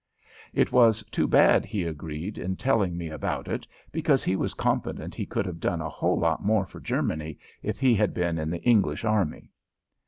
It was too bad, he agreed, in telling me about it, because he was confident he could have done a whole lot more for Germany if he had been in the English army.